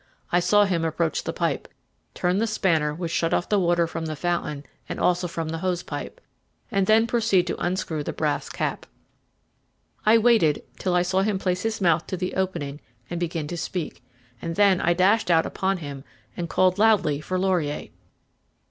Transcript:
I saw him approach the pipe, turn the spanner which shut off the water from the fountain and also from the hose pipe, and then proceed to unscrew the brass cap. I waited till I saw him place his mouth to the opening and begin to speak, and then I dashed out upon him and called loudly for Laurier.